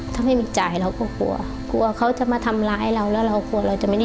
ถ้าไม่มีจ่ายเราก็กลัว